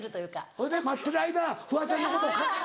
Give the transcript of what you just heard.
ほいで待ってる間フワちゃんのことを。